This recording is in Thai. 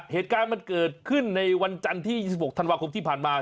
เหตุการณ์มันเกิดขึ้นในวันจันทร์ที่๒๖ธันวาคมที่ผ่านมา